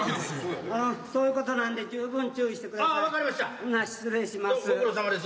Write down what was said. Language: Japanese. そういうことなんで十分注意してください。